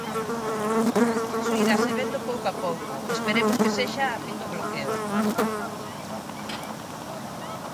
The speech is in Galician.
Iso irase vendo pouco a pouco, esperemos que sexa a fin do bloqueo.